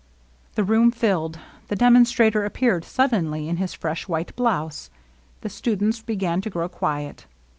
The room filled ; the demonstrator appeared sud denly, in his fresh, white blouse ; the students be gan to grow quiet.